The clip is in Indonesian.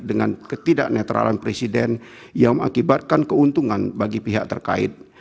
dengan ketidak netralan presiden yang mengakibatkan keuntungan bagi pihak terkait